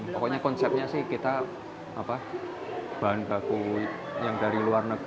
pokoknya konsepnya sih kita bahan baku yang dari luar negeri